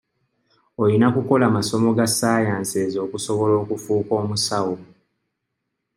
Olina kukola masomo ga saayanseezi okusobola okufuuka omusawo.